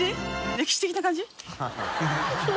「歴史的な感じ？」